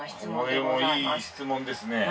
これもいい質問ですね